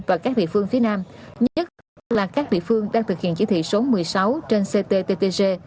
và các địa phương phía nam nhất là các địa phương đang thực hiện chỉ thị số một mươi sáu trên cttg